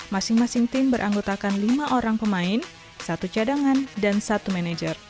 masing masing tim beranggotakan lima orang pemain satu cadangan dan satu manajer